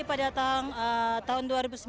pada tahun dua ribu sembilan belas